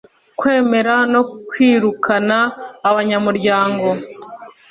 Kwemera no kwirukana abanyamuryango